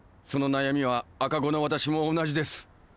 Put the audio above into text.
その悩みは赤子の私も同じです。